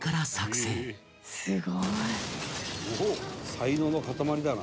「才能の塊だな」